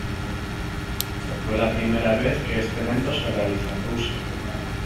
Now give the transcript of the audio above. Fue la primera vez que este evento se realizó en Rusia.